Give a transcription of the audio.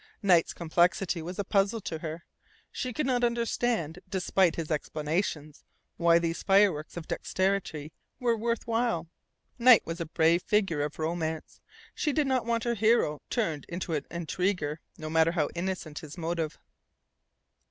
Knight's complexity was a puzzle to her. She could not understand, despite his explanations, why these fireworks of dexterity were worth while. Knight was a brave figure of romance. She did not want her hero turned into an intriguer, no matter how innocent his motive.